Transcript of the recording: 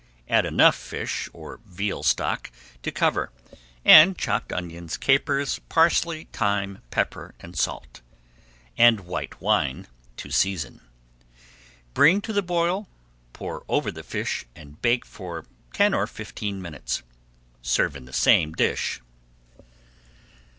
Add enough fish or veal stock to cover, and chopped onions, capers, parsley, thyme, pepper and salt, and white wine to season. Bring to the boil, pour over the fish and bake for ten or fifteen minutes. Serve in the same dish.